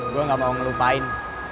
gue gak mau ngelupain